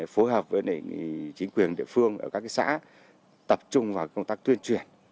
phối hợp với chính quyền địa phương ở các xã tập trung vào công tác tuyên truyền